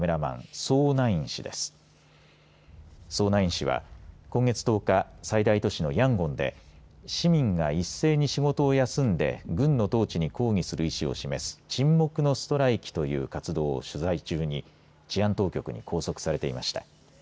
ソー・ナイン氏は、今月１０日最大都市のヤンゴンで市民が一斉に仕事を休んで軍の統治に抗議する意思を示す沈黙のストライキという活動を取材中に治安当局に拘束されていました。